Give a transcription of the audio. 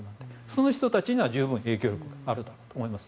その人たちには十分影響力があると思います。